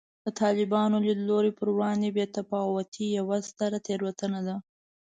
د طالباني لیدلوري پر وړاندې بې تفاوتي یوه ستره تېروتنه ده